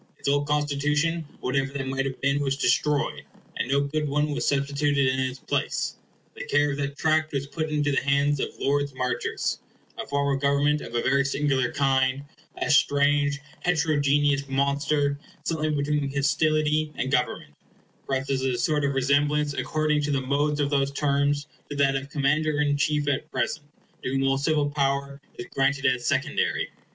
Its old Constitution, whatever that might have been, was destroyed, and no good one was substituted in its place. The care of that tract was put into the hands of Lords Marchers a form of government of a very singular kind; a strange heterogeneous monster, something between hostility and government; perhaps it has a sort of resemblance, according to the modes of those terms, to that of Commander in chief at present, to whom all civil power is granted as secondary.